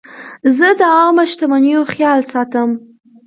زه د عامه شتمنیو خیال ساتم.